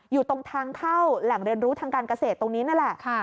อยู่ตรงทางเข้าแหล่งเรียนรู้ทางการเกษตรตรงนี้นั่นแหละ